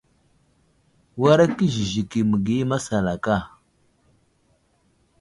Wara kəziziki məgiya i masalaka.